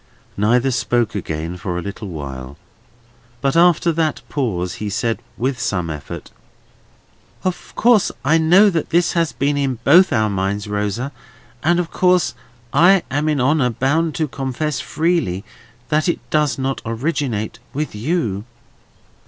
Neither spoke again for a little while. But after that pause he said, with some effort: "Of course I know that this has been in both our minds, Rosa, and of course I am in honour bound to confess freely that it does not originate with you."